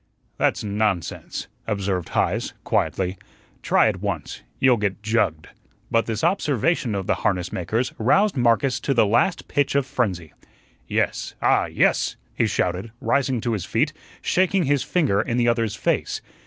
"That's nonsense," observed Heise, quietly. "Try it once; you'll get jugged." But this observation of the harness maker's roused Marcus to the last pitch of frenzy. "Yes, ah, yes!" he shouted, rising to his feet, shaking his finger in the other's face.